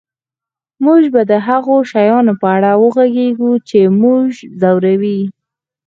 موږ به د هغو شیانو په اړه وغږیږو چې موږ ځوروي